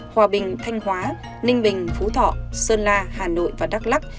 hòa bình thanh hóa ninh bình phú thọ sơn la hà nội và đắk lắc